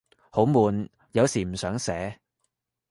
好悶，有時唔想寫